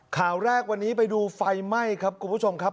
ข่าวแรกวันนี้ไปดูไฟไหม้ครับคุณผู้ชมครับ